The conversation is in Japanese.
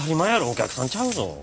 お客さんちゃうぞ。